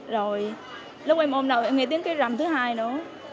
rồi lúc em ôm đầu em nghe tiếng cái rầm thứ hai nữa